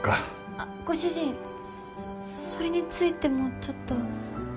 あっご主人それについてもちょっと。